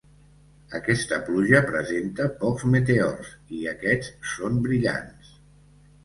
Aquesta pluja presenta pocs meteors, i aquests són brillants.